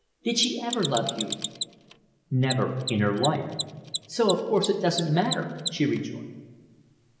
Did she ever love you?" "Never in her life." "So of course it doesn't matter," she rejoined.